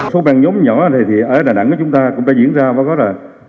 số bang nhóm nhỏ thì ở đà nẵng chúng ta cũng đã diễn ra và có là